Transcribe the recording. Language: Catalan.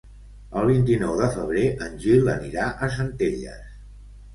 El vint-i-nou de febrer en Gil anirà a Centelles.